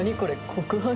告白？